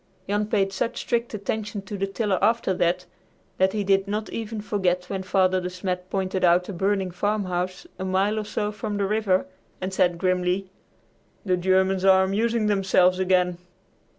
Jan paid such strict attention to the tiller after that that he did not even forget when Father De Smet pointed out a burning farmhouse a mile or so from the river and said grimly, "The Germans are amusing themselves again."